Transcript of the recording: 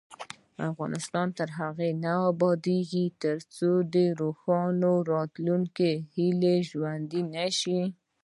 افغانستان تر هغو نه ابادیږي، ترڅو د روښانه راتلونکي هیله ژوندۍ نشي.